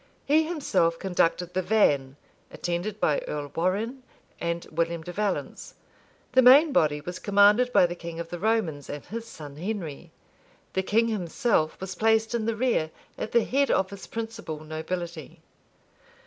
He himself conducted the van, attended by Earl Warrenne and William de Valence; the main body was commanded by the king of the Romans and his son Henry; the king himself was placed in the rear at the head of his principal nobility.